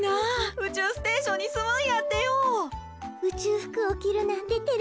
うちゅうふくをきるなんててれますねえ。